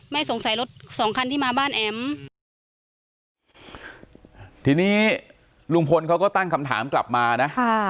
สงสัยรถสองคันที่มาบ้านแอ๋มทีนี้ลุงพลเขาก็ตั้งคำถามกลับมานะค่ะ